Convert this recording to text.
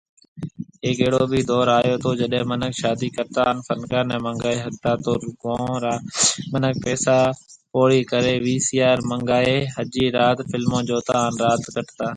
هيڪ اهڙو بِي دئور آيو تو جڏي منک شادي ڪرتا هان فنڪار ني منگائي ۿگتا تو گون را منک پئسا فوڙي ڪري وي سي آر منگائي ۿجي رات فلمون جوتا هان رات ڪٽتا۔